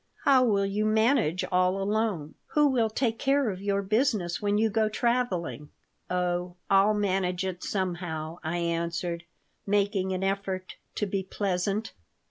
How will you manage all alone? Who will take care of your business when you go traveling?" "Oh, I'll manage it somehow," I answered, making an effort to be pleasant.